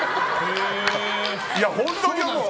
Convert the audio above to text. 本当に思う。